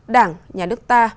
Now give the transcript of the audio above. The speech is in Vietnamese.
đảng nhà nước ta